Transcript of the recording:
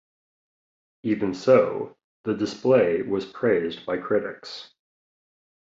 Even so, the display was praised by critics.